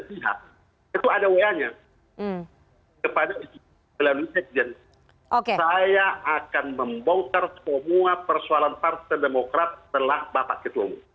itu ada wa nya kepada istri saya akan membongkar semua persoalan partai demokrat setelah bapak ketua umum